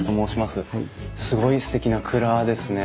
すごいすてきな蔵ですね。